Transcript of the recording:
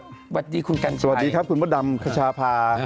สวัสดีคุณกัลชาพายนงพดมกัลชาภา